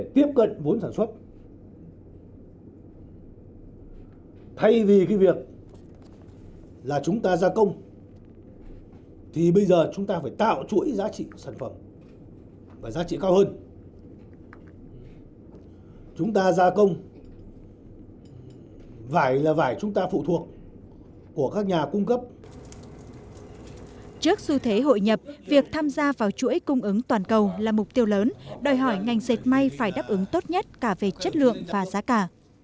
trước xu thế hội nhập việc tham gia vào chuỗi cung ứng toàn cầu là mục tiêu lớn đòi hỏi ngành dệt may phải đáp ứng tốt nhất cả về chất lượng và giá cả